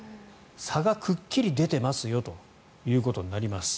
差がくっきり出ていますよということになります。